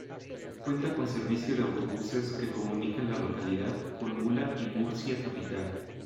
Cuenta con servicio de autobuses que comunican la localidad con Mula y Murcia capital.